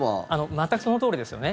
全くそのとおりですよね。